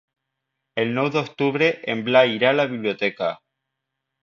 El nou d'octubre en Blai irà a la biblioteca.